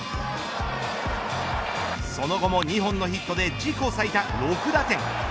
その後も２本のヒットで自己最多６打点。